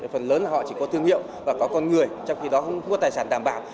phần lớn là họ chỉ có thương hiệu và có con người trong khi đó không có tài sản đảm bảo